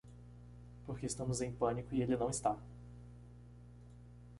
Porque estamos em pânico e ele não está.